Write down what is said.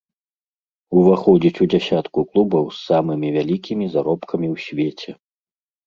Уваходзіць у дзясятку клубаў з самымі вялікімі заробкамі ў свеце.